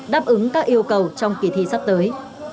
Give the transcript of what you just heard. đáp ứng các yêu cầu trong kỳ thi sắp tới